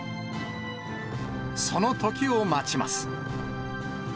その時を待ちます。